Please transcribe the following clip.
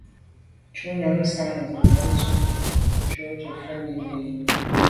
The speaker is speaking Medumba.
Shutnyàm tshan nzenze ntùm njon dù’ fa fèn ke yen i.